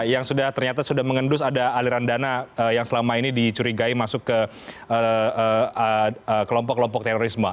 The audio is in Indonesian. yang sudah ternyata sudah mengendus ada aliran dana yang selama ini dicurigai masuk ke kelompok kelompok terorisme